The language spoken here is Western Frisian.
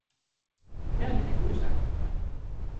Belje nei hûs ta.